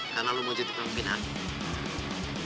karena lo mau jadi pemimpinan